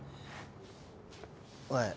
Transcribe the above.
おい。